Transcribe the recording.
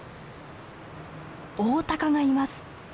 オオタカがいます。